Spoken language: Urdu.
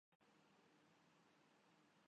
کشیدگی کے شکار علاقوں میں